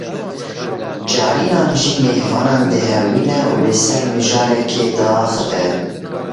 Carinan jî mêhvanan dihewîne û li ser mijarekê diaxivin